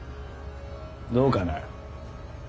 どうかな。